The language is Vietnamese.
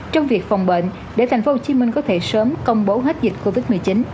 trong việc phòng bệnh để tp hcm có thể sớm công bố hết dịch covid một mươi chín